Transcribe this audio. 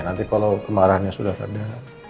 nanti kalau kemarahannya sudah ada